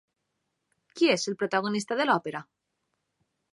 Qui és el protagonista de l'òpera?